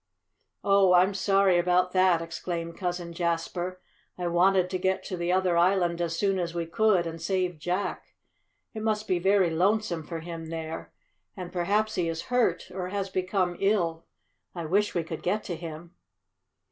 "Oh, I'm sorry about that!" exclaimed Cousin Jasper. "I wanted to get to the other island as soon as we could, and save Jack. It must be very lonesome for him there, and perhaps he is hurt, or has become ill. I wish we could get to him."